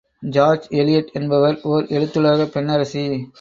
George Eliot என்பவர் ஓர் எழுத்துலகப் பெண்ணரசி!